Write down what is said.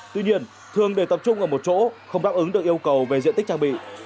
tuy nhiên thường để tập trung ở một chỗ không đáp ứng được yêu cầu về diện tích trang bị